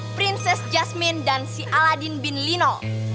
prinses jasmine dan si aladin bin lino